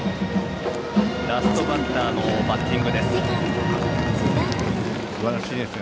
ラストバッターのバッティングです。